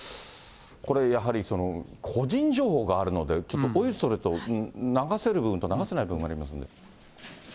これ、やはり個人情報があるので、ちょっとおいそれと流せる部分と流せない部分がありますので。